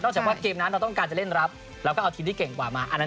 จากว่าเกมนั้นเราต้องการจะเล่นรับแล้วก็เอาทีมที่เก่งกว่ามาอันนั้น